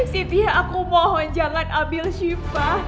siti aku mohon jangan ambil shifa